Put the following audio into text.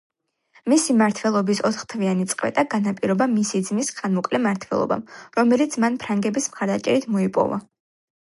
მისი მმართველობის ოთხთვიანი წყვეტა განაპირობა მისი ძმის ხანმოკლე მმართველობამ, რომელიც მან ფრანგების მხარდაჭერით მოიპოვა.